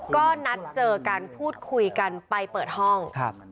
ก็นัดเจอกันพูดคุยกันไปเปิดห้องครับ